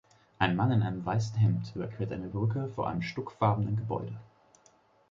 Ein Mann in einem weißen Hemd überquert eine Brücke vor einem stuckfarbenen Gebäude.